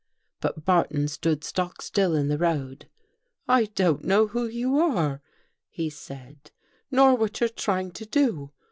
But Barton stood stock still in the road. " I don't know who you are," he said, " nor what you're trying to do.